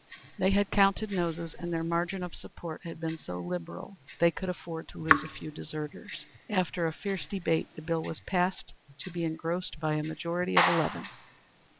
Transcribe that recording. They had counted noses, and their margin of support had been so liberal they could afford to lose a few deserters. After a fierce debate the bill was passed to be engrossed by a majority of eleven.